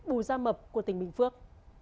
bù gia mập của tỉnh bình phước